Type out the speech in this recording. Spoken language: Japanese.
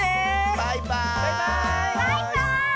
バイバーイ！